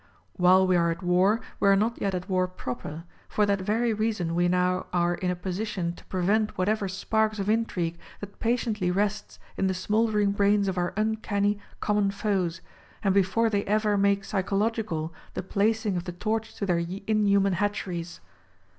While we are at war, we are not yet at war proper ; for that very reason we now are in a position to prevent whatever sparks of intrigue that patiently rests in the smouldering brains of our uncanny, common foes, — and before they ever, make psychological the placing of the torch to their inhuman hatcheries.